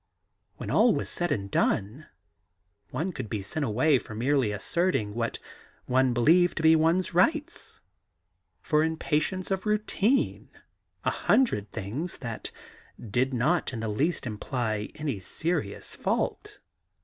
When all was said and done, one could be sent away for merely asserting what one believed to be one's rights — for impatience of routine, a hundred things that did not in the least imply any serious fault.